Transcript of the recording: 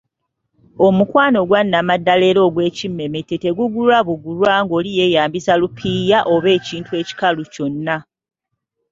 Omukwano ogwannamaddala era ogw’ekimmemmette tegugulwa bugulwa ng’oli yeeyambisa lupiiya oba ekintu ekikalu kyonna.